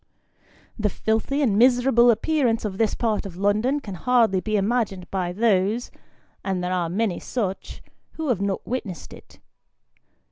The filthy and miserable appearance of this part of London can hardly be imagined by those (and there are many such) who have not witnessed it.